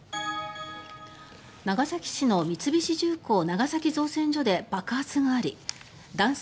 長崎市の三菱重工長崎造船所で爆発があり男性